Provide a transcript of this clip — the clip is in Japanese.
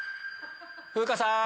風花さん。